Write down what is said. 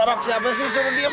norek siapa sih suruh diam